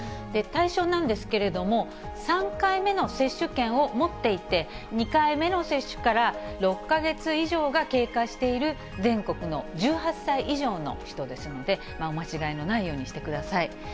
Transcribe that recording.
対象なんですけれども、３回目の接種券を持っていて、２回目の接種から６か月以上が経過している全国の１８歳以上の人ですので、お間違いのないようにしてください。